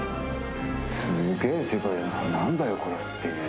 すげー世界だな、何だよ、これっていう。